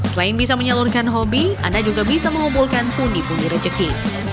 selain bisa menyalurkan hobi anda juga bisa mengumpulkan pundi pundi rejeki